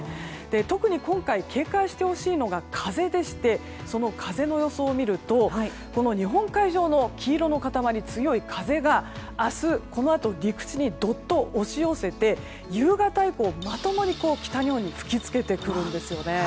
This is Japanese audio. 特に今回警戒してほしいのが風でしてその風の予想を見ると日本海上の黄色の塊強い風が、明日このあと陸地にどっと押し寄せて夕方以降、まともに北日本に吹き付けてくるんですね。